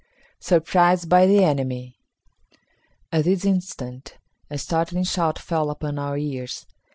Surprised by the Enemy. At this instant, a startling shout fell upon our ears.